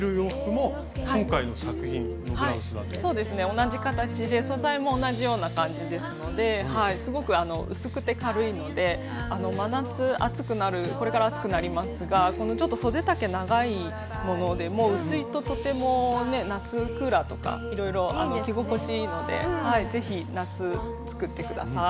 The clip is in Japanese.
同じ形で素材も同じような感じですのですごく薄くて軽いので真夏暑くなるこれから暑くなりますがこのちょっとそで丈長いものでも薄いととてもね夏クーラーとかいろいろ着心地いいので是非夏作って下さい。